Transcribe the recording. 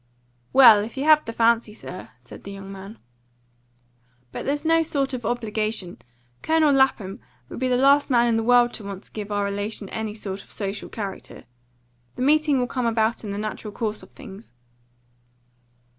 "Well, if you have the fancy, sir," said the young man. "But there's no sort of obligation. Colonel Lapham would be the last man in the world to want to give our relation any sort of social character. The meeting will come about in the natural course of things."